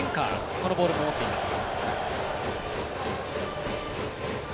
このボールも持っています。